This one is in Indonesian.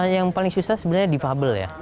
yang paling susah sebenarnya defable ya